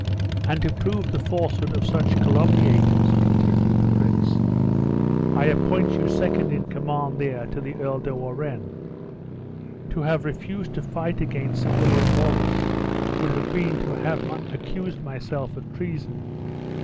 'And to prove the falsehood of such calumniators,' continued the prince, 'I appoint you second in command there to the Earl de Warenne.' To have refused to fight against Sir William Wallace, would have been to have accused myself of treason.